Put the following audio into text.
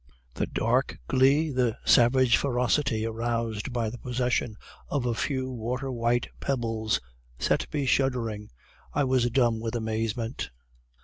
"The dark glee, the savage ferocity aroused by the possession of a few water white pebbles, set me shuddering. I was dumb with amazement.